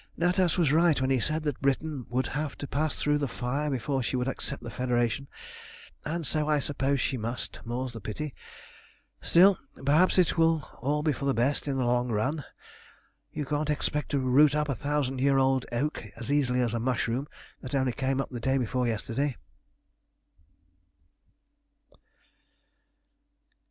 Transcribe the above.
"Natas was right when he said that Britain would have to pass through the fire before she would accept the Federation, and so I suppose she must, more's the pity. Still, perhaps it will be all for the best in the long run. You can't expect to root up a thousand year old oak as easily as a mushroom that only came up the day before yesterday."